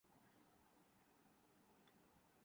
Operation روکنے کی بات، البتہ اسی وقت کی جا سکتی ہے۔